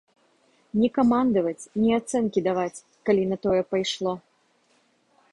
Не камандаваць, не ацэнкі даваць, калі на тое пайшло.